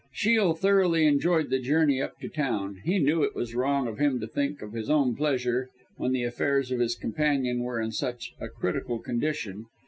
Shiel thoroughly enjoyed that journey up to town. He knew it was wrong of him to think of his own pleasure, when the affairs of his companion were in such a critical condition.